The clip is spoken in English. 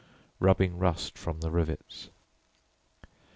rubbing rust from the rivets.